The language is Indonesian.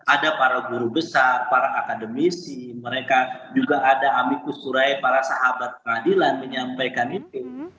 ada para guru besar para akademisi mereka juga ada amikus turai para sahabat pengadilan menyampaikan itu